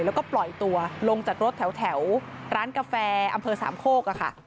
แล้วก็ปล่อยตัวลงจากรถแถวร้านกาแฟอำเภอสามโคก